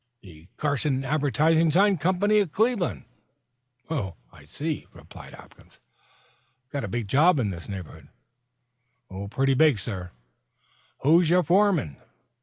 "The Carson Advertising Sign Company of Cleveland." "Oh, I see," replied Hopkins. "Got a big job in this neighborhood?" "Pretty big, sir." "Who's your foreman?"